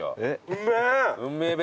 うめえべ？